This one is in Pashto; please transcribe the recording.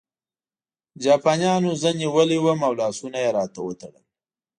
جاپانیانو زه نیولی وم او لاسونه یې راته وتړل